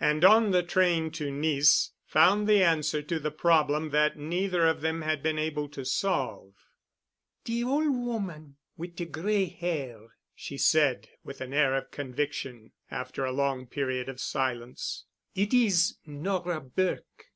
And on the train to Nice found the answer to the problem that neither of them had been able to solve. "De ol' woman, wit' de gray hair," she said with an air of conviction after a long period of silence—"it is Nora Burke."